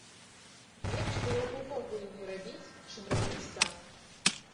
Лепш было б увогуле не рабіць, чым рабіць так.